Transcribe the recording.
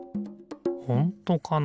ほんとかな？